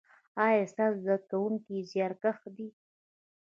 ایا ستاسو زده کونکي زیارکښ دي؟